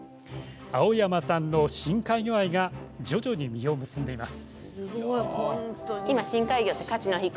青山さんの深海魚愛が徐々に実を結んでいます。